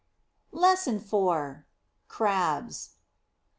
LESSON IV. CRABS.